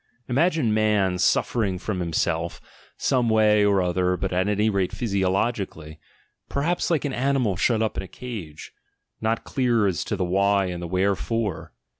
Imagine man, suffering from himself, some way or other but at any rate physiologically, perhaps like an animal shut up in a cage, not clear as to the why and the where fore!